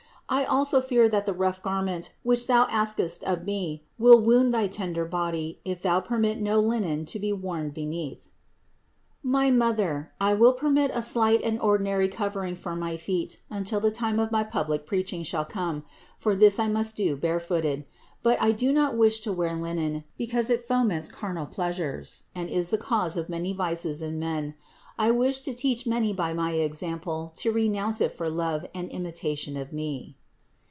I also fear that the rough garment, which Thou askest of me, will wound thy tender body, if thou permit no linen to be worn beneath." "My Mother, I will permit a slight and THE INCARNATION 587 ordinary covering for my feet until the time of my public preaching shall come, for this I must do barefooted. But I do not wish to wear linen, because it foments carnal pleasures, and is the cause of many vices in men. I wish to teach many by my example to renounce it for love and imitation of Me."